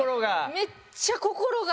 めっちゃ心が。